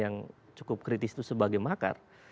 yang cukup kritis itu sebagai makar